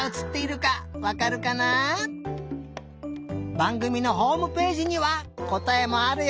ばんぐみのホームページにはこたえもあるよ！